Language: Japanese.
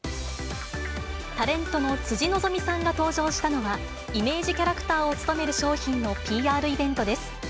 タレントの辻希美さんが登場したのは、イメージキャラクターを務める商品のＰＲイベントです。